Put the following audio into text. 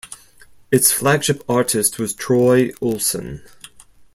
Its flagship artist was Troy Olsen.